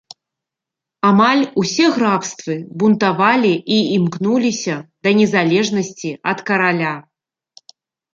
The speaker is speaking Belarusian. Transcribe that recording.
Амаль усе графствы бунтавалі і імкнуліся да незалежнасці ад караля.